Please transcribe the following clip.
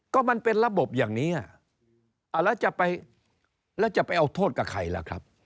ก็มันเป็นระบบอย่างนี้แล้วจะไปแล้วจะไปเอาโทษกับใครล่ะครับ